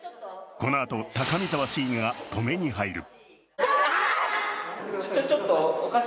このあと高見澤市議が止めに入る。